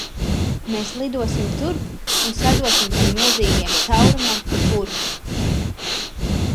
Mēs lidosim turp un sadosim tam milzīgajam caurumam pa purnu!